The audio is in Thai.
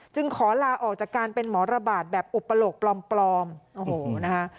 ขอลาออกจากการเป็นหมอระบาดแบบอุปโลกปลอมโอ้โหนะคะ